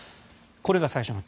これが最初のＴ。